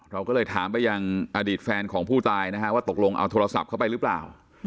เราก็เลยถามไปยังอดีตแฟนของผู้ตายนะฮะว่าตกลงเอาโทรศัพท์เข้าไปหรือเปล่า